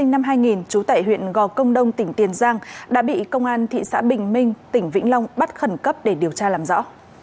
năm hai nghìn trú tại huyện gò công đông tỉnh tiền giang đã bị công an thị xã bình minh tỉnh vĩnh long bắt khẩn cấp để điều tra làm rõ